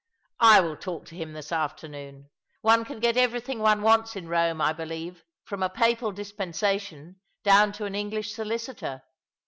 " I will talk to him this afternoon. One can get everything one wants in Eome, I believe, from a papal dispensation down to an English solicitor.